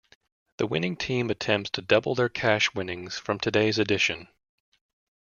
The winning team attempts to double their cash winnings from today's edition.